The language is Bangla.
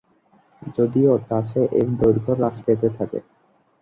যদিও চাষে এর দৈর্ঘ্য হ্রাস পেতে থাকে।